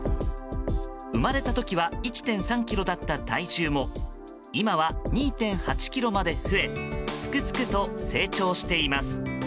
生まれた時は１．３ｋｇだった体重も今は２．８ｋｇまで増えすくすくと成長しています。